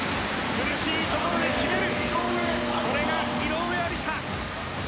苦しいところで決めるそれが、井上愛里沙！